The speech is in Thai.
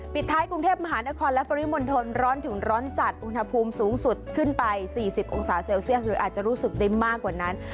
ปิดท้ายกรุงเทพมหานครและปริมณฑลร้อนถึงร้อนจัดอุณหภูมิสูงสุดขึ้นไป๔๐องศาเซลเซียสหรืออาจจะรู้สึกได้มากกว่านั้น